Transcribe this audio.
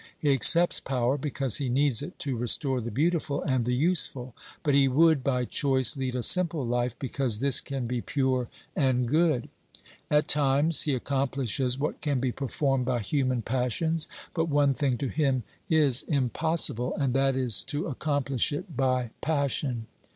He accepts power because he needs it to restore the beautiful and the useful, but he would by choice lead a simple life because this can be pure and good. At times he accomplishes what can be performed by human passions, but one thing to him is impossible, 356 OBERMANN and that is to accomplish it by passion.